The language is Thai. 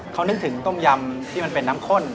เขานึกถึงต้มยำที่มันเป็นน้ำข้น